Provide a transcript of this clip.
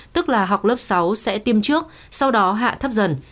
tức là học lớp sáu sẽ tiêm trước sau đó hạ thấp dần